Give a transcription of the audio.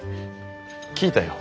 聞いたよ。